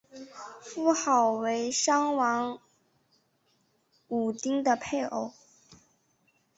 妇好为商王武丁的配偶。